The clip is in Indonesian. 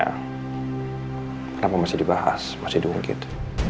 kenapa masih dibahas masih diungkit